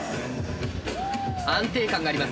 安定感があります。